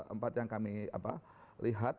empat yang kami lihat